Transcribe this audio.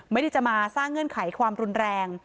ไม่ได้จะมาสร้างเงื่อนไขความรุนแรง